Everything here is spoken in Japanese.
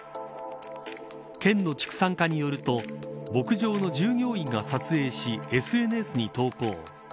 県の畜産課によると牧場の従業員が撮影しＳＮＳに投稿。